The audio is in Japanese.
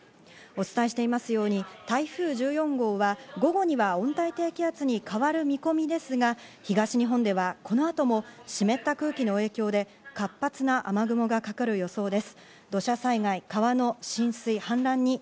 お伝えしていますように台風１４号は午後には温帯低気圧に変わる見込みですが、東日本ではこの後も湿った空気の影響で活発な雨雲がかかる予想です。